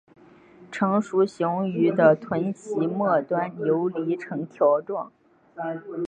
成熟雄鱼的臀鳍末端游离呈条状。